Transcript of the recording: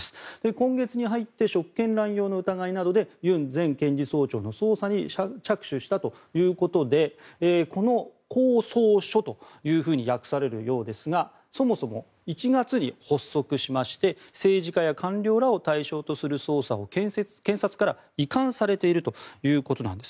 今月に入って職権乱用の疑いなどでユン前検事総長の捜査に着手したということで公捜処というふうに略されるそうですがそもそも１月に発足しまして政治家や官僚らを対象とする捜査を検察から移管されているということなんです。